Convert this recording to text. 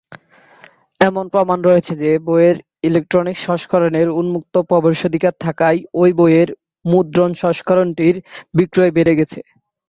এমন প্রমাণ রয়েছে যে, বইয়ের ইলেকট্রনিক সংস্করণে উন্মুক্ত প্রবেশাধিকার থাকায় ঐ বইয়ের মুদ্রণ সংস্করণটির বিক্রি বেড়ে গেছে।